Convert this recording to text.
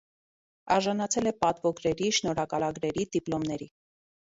Արժանացել է պատվոգրերի, շնորհակալագրերի, դիպլոմների։